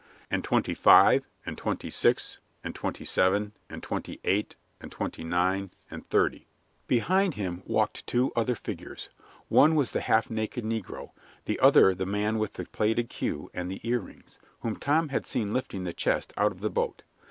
"And twenty five, and twenty six, and twenty seven, and twenty eight, and twenty nine, and thirty." Behind him walked two other figures; one was the half naked negro, the other the man with the plaited queue and the earrings, whom Tom had seen lifting the chest out of the boat.